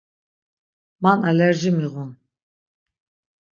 Man alerji miğun.